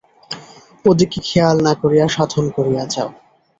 ওদিকে খেয়াল না করিয়া সাধন করিয়া যাও।